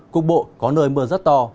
cục bộ có nơi mưa rất to